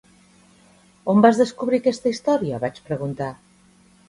"On vas descobrir aquesta història?", vaig preguntar.